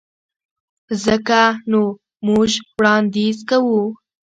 ځکه نو موږ وړانديز کوو.